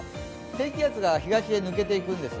低気圧が東へ抜けていくんです。